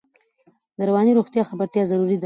د رواني روغتیا خبرتیا ضروري ده.